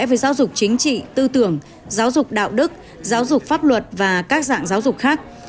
với giáo dục chính trị tư tưởng giáo dục đạo đức giáo dục pháp luật và các dạng giáo dục khác